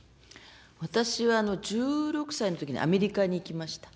私は１６歳のときに、アメリカに行きました。